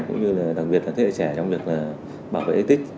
cũng như là đặc biệt là thế hệ trẻ trong việc bảo vệ di tích